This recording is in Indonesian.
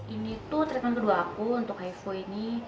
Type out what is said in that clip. ini tuh treatment kedua aku untuk ivo ini